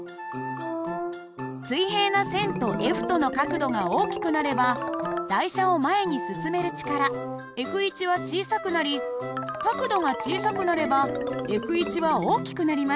水平な線とＦとの角度が大きくなれば台車を前に進める力Ｆは小さくなり角度が小さくなればＦは大きくなります。